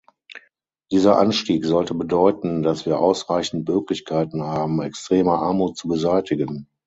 Dieser Anstieg sollte bedeuten, dass wir ausreichend Möglichkeiten haben, extreme Armut zu beseitigen.